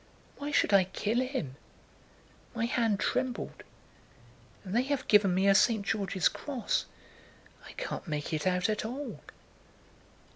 Why should I kill him? My hand trembled. And they have given me a St. George's Cross.... I can't make it out at all."